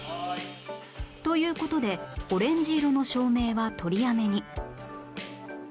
という事でオレンジ色の照明は取りやめに